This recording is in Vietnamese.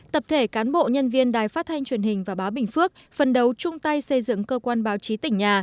tập thể cán bộ nhân viên đài phát thanh truyền hình và báo bình phước phân đấu chung tay xây dựng cơ quan báo chí tỉnh nhà